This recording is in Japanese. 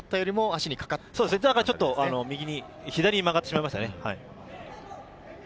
ちょっと左に曲がってしまいましたね。